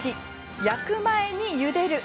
焼く前にゆでる。